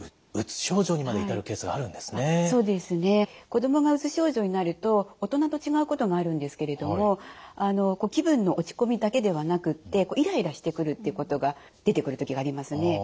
子どもがうつ症状になると大人と違うことがあるんですけれども気分の落ち込みだけではなくってイライラしてくるっていうことが出てくる時がありますね。